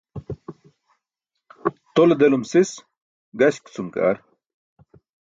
Tole delum sis gaśk cum ke ar.